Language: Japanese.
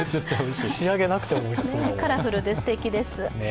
カラフルですてきです。